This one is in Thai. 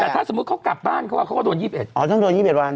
แต่ถ้าสมมุติเขากลับบ้านเขาเขาก็โดน๒๑อ๋อต้องโดน๒๑วัน